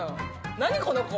何この子。